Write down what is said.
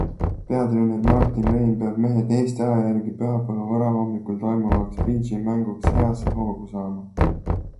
Peatreener Martin Reim peab mehed Eesti aja järgi pühapäeva varahommikul toimuvaks Fidži mänguks heasse hoogu saama.